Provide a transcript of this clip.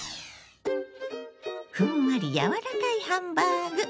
ふんわり柔らかいハンバーグ。